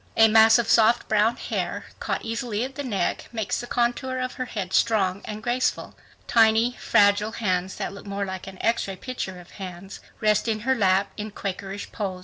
A mass of soft brown hair, caught easily at the neck, makes the contour of her head strong and graceful. Tiny, fragile hands that look more like an X ray picture of hands, rest in her lap in Quakerish pose.